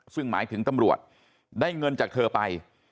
ซึ่งหมายถึงตำรวจได้เงินจากเธอไป